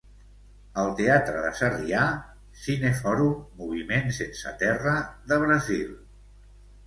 Al Teatre de Sarrià, cine-fòrum Moviment sense terra de Brasil.